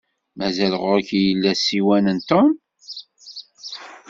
Mazal ɣur-k i yella ssiwan n Tom?